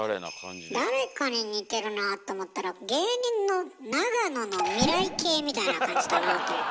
誰かに似てるなと思ったら芸人の永野の未来形みたいな感じだなと。